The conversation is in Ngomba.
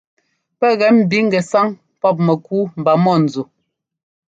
Pɛ́ gɛ ḿbi ŋgɛsáŋ pɔ́p mɛkúu mba mɔ̂nzu.